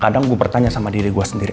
kadang saya bertanya sama diri saya sendiri